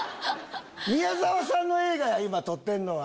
宮沢さんの映画や今撮ってんのは！